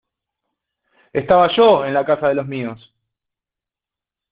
Estaba yo en la casa de los míos.